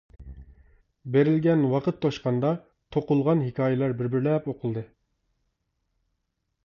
بېرىلگەن ۋاقىت توشقاندا، توقۇلغان ھېكايىلەر بىر-بىرلەپ ئوقۇلدى.